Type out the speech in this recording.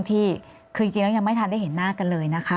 ที่คือจริงแล้วยังไม่ทันได้เห็นหน้ากันเลยนะคะ